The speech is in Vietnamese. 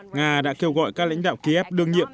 nga đã kêu gọi các lãnh đạo kiev đương nhiệm